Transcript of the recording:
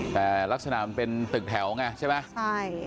แต่ลักษณะมันเป็นตึกแถวไงใช่ไหมใช่